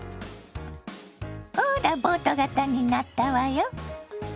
ほらボート型になったわよ。